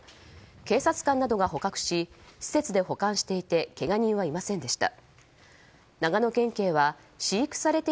警察官などが捕獲し施設で保管していてけが人はいませんでした。